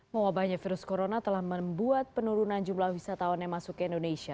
mewabahnya virus corona telah membuat penurunan jumlah wisatawan yang masuk ke indonesia